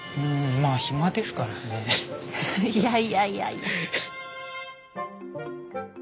いやいやいやいや。